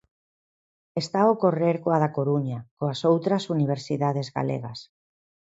Está a ocorrer coa da Coruña, coas outras universidades galegas.